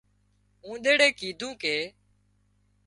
اونۮيڙي ڪيڌو ڪي